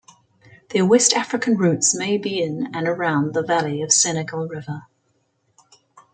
Their West African roots may be in and around the valley of Senegal River.